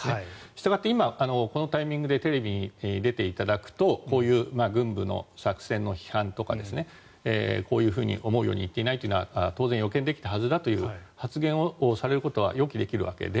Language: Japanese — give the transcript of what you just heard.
したがって今このタイミングでテレビに出ていただくとこういう軍部の作戦の批判とかこういうふうに思うように行っていないというのは当然予見できたはずだという発言をされることは予期できるわけで。